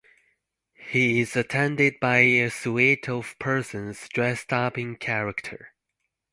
He is attended by a suite of persons dressed up in character.